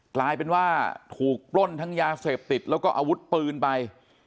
กลายเป็นว่าถูกปล้นทั้งยาเสพติดแล้วก็อาวุธปืนไป